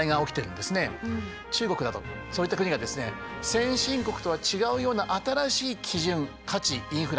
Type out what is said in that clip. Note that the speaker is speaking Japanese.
中国などそういった国がですね先進国とは違うような新しい基準価値インフラ。